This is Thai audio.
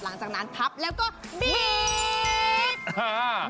หลังจากนั้นพับแล้วก็บีบ